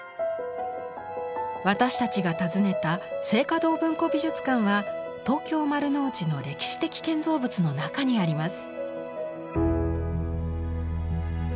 私たちが訪ねた静嘉堂文庫美術館は東京・丸の内の歴史的建造物の中にあります。